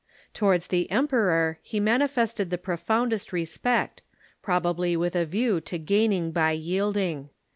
Towards the emperor he manifested the profound est respect, probably with a view to gaining by yielding.